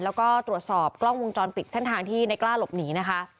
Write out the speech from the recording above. แล้วก็ตรวจสอบกล้องวงจรปิดเส้นทางที่ในกล้าหลบหนีนะคะ